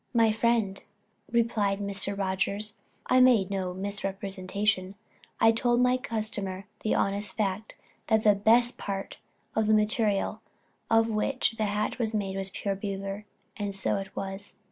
"My friend," replied Mr. Rogers, "I made no misrepresentation, I told my customer the honest fact, that the best part of the material of which the hat was made was pure beaver, and so it was."